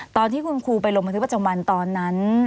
ตอนที่คุณครูไปลงบันทึกประจำวันตอนนั้น